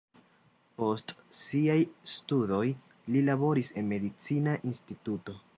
Post siaj studoj li laboris en medicina instituto.